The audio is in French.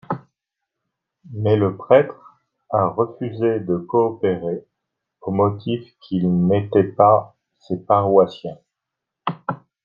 Mais le prêtre a refusé de coopérer au motif qu'ils n'étaient pas ses paroissiens.